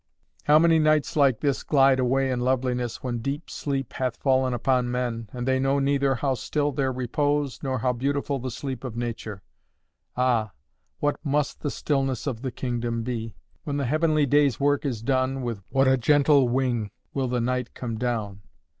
How many nights like this glide away in loveliness, when deep sleep hath fallen upon men, and they know neither how still their own repose, nor how beautiful the sleep of nature! Ah, what must the stillness of the kingdom be? When the heavenly day's work is done, with what a gentle wing will the night come down!